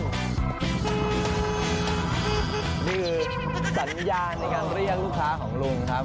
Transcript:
นี่สัญญาณในการเรียกลูกค้าของลุงครับ